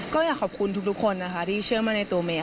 ก็อยากขอบคุณทุกคนที่เชื่อมตัวในตัวเม